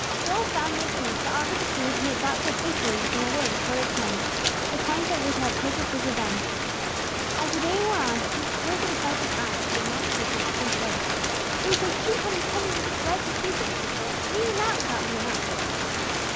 Joel found no chance to offer the food he had bought so hastily with another of his hoarded coins, the coins that were to have purchased his revenge. As the day wore on, he heard the disciples ask that the multitudes might be sent away. "It would take two hundred pennyworth of bread to feed them," said Philip, "and even that would not be enough."